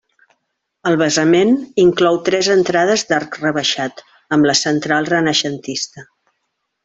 El basament inclou tres entrades d'arc rebaixat, amb la central renaixentista.